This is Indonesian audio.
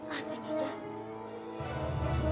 ah tanya aja